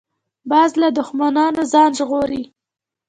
باز له دوښمنو ځان ژغوري